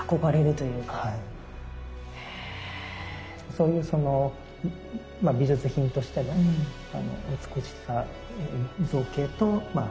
そういうその美術品としての美しさ造形とまあ